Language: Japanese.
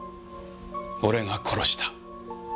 俺が殺した。